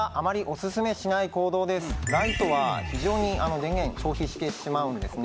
これはライトは非常に電源消費してしまうんですね